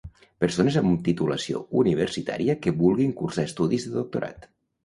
Persones amb titulació universitària que vulguin cursar estudis de doctorat.